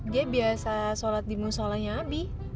dia biasa sholat di musolanya abi